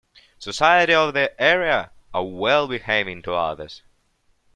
Society of the area are well behaving to others.